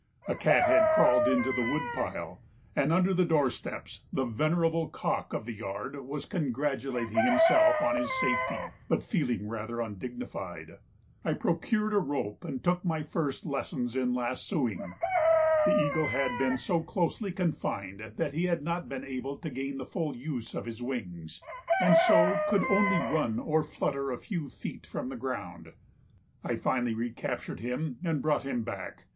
A cat had crawled into the wood pile and under the doorsteps the venerable cock of the yard was congratulating himself on his safety, but feeling rather undignified. I procured a rope and took my first lessons in lassoing. The eagle had been so closely confined that he had not been able to gain the full use of his wings, and so could only run or flutter a few feet from the ground. I finally recaptured him and brought him back.